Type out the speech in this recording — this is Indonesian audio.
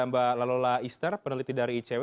mbak lalola ister peneliti dari icw